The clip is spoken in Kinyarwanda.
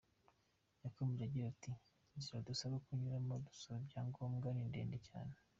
Yakomeje agira ati “ Inzira dusabwa kunyuramo dusaba ibyangombwa ni ndende cyane.